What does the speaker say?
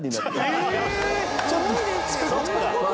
すごいですよね。